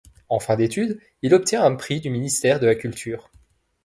En fin d'études il obtient un prix du ministère de la Culture.